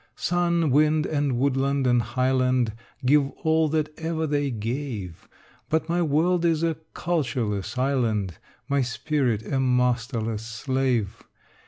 Sun, wind, and woodland and highland, Give all that ever they gave: But my world is a cultureless island, My spirit a masterless slave.